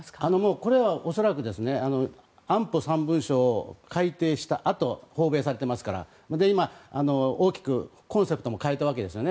これは恐らく安保３文書改定したあと訪米されていますから今、大きくコンセプトも変えたわけですよね。